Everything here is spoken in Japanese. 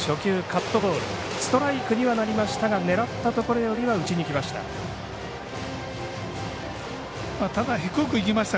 ストライクにはなりましたが狙ったところよりは浮きました。